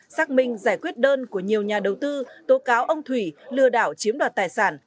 xác minh giải quyết đơn của nhiều nhà đầu tư tố cáo ông thủy lừa đảo chiếm đoạt tài sản